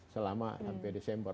selama sampai desember